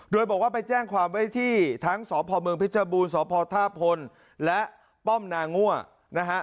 โดยบอกว่าไปแจ้งความไว้ที่ทั้งสพเมืองเพชรบูรณ์สพท่าพลและป้อมนางั่วนะฮะ